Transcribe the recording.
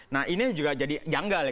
nah ini juga jadi janggal ya